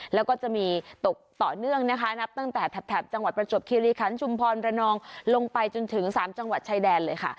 แล้วก็จะมีตกต่อเนื่องนะคะนับตั้งแต่แถบจังหวัดประจวบคิริคันชุมพรระนองลงไปจนถึง๓จังหวัดชายแดนเลยค่ะ